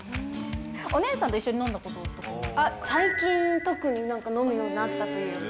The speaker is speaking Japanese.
お姉さんと一緒に飲んだこと最近、特になんか、飲むようになったというか。